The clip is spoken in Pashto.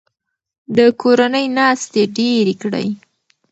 د کورنۍ ناستې ډیرې کړئ.